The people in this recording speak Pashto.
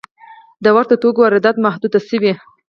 د ورته توکو واردات محدود شوي؟